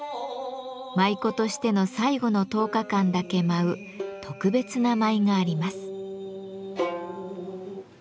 舞妓としての最後の１０日間だけ舞う「特別な舞」があります。